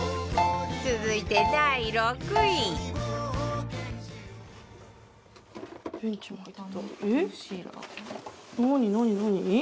続いて第６位えっ？